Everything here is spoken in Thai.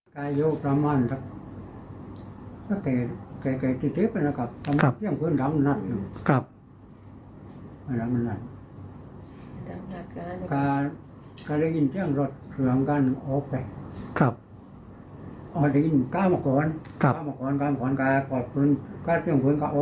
กลับมากินเผื่อออกไปแล้วออกไปก็กำลังปืนพื้นของเขาออกไป